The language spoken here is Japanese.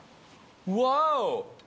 うわ！